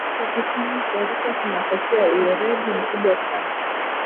kukusanya taarifa kunatakiwa uweredi mkubwa sana